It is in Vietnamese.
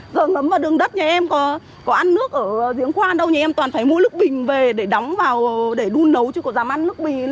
thường ngấm vào đường đất nhà em có ăn nước ở giếng khoan đâu nhà em toàn phải mua nước bình về để đóng vào để đun nấu chứ có dám ăn nước bình